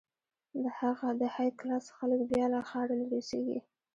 د های کلاس خلک بیا له ښاره لرې اوسېږي.